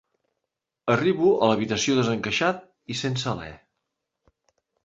Arribo a l'habitació desencaixat i sense alè.